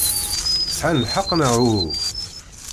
Sɛan lḥeqq, neɣ uhu?